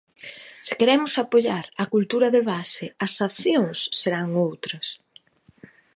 Se queremos apoiar a cultura de base, as accións serán outras.